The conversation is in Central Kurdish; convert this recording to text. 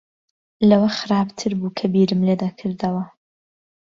لەوە خراپتر بوو کە بیرم لێ دەکردەوە.